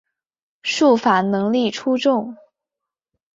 术法能力出众。